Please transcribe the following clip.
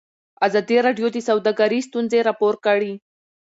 ازادي راډیو د سوداګري ستونزې راپور کړي.